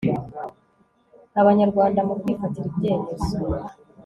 abanyarwanda mu kwifatira ibyemezo